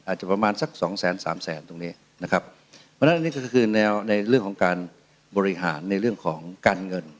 อาจจะประมาณสักสองแสนสามแสนตรงนี้นะครับเพราะฉะนั้นอันนี้ก็คือแนวในเรื่องของการบริหารในเรื่องของการเงิน